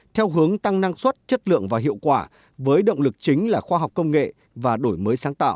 theo hướng tăng năng suất chất lượng và hiệu quả với động lực chính là khoa học công nghệ và đổi mới sáng tạo